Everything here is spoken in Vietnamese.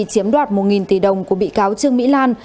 chiếm đoạt một tỷ đồng của bị cáo trương mỹ lan